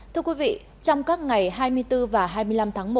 thưa quý vị trong các ngày hai mươi bốn và hai mươi năm tháng một